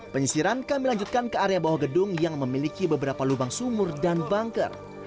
penyisiran kami lanjutkan ke area bawah gedung yang memiliki beberapa lubang sumur dan bangker